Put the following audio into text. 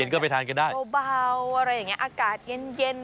เย็นเย็นก็ไปทานกันได้เบาอะไรอย่างเงี้ยอากาศเย็น